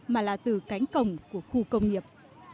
mà là từ cánh cổng của khu công nghiệp